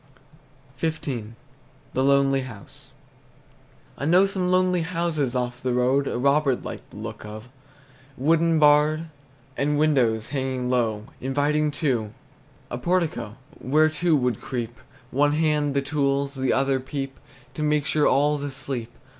XV. THE LONELY HOUSE. I know some lonely houses off the road A robber 'd like the look of, Wooden barred, And windows hanging low, Inviting to A portico, Where two could creep: One hand the tools, The other peep To make sure all's asleep.